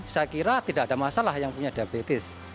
saya kira tidak ada masalah yang punya diabetes